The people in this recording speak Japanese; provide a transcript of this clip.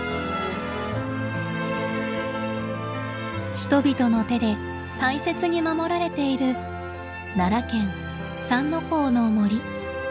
人々の手で大切に守られている奈良県三之公の森。